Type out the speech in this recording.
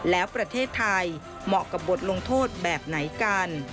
แล้วประเทศไทยเหมาะกับบทลงโทษแบบไหนกัน